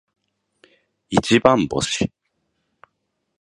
一番星